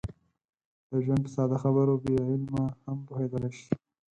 د ژوند په ساده خبرو بې علمه هم پوهېدلی شي.